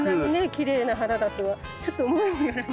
きれいな花だとはちょっと思いもよらない。